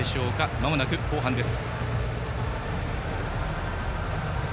まもなく後半です。